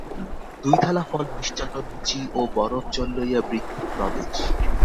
দুই থালা ফল মিষ্টান্ন লুচি ও বরফ-জল লইয়া ভৃত্যের প্রবেশ।